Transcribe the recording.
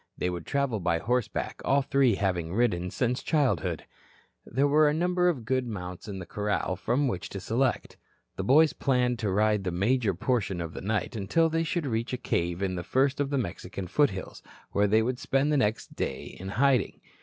They would travel by horseback, all three having ridden since childhood. There were a number of good mounts in the corral from which to select. The boys planned to ride the major portion of the night until they should reach a cave in the first of the Mexican foothills, where they would spend the next day in hiding.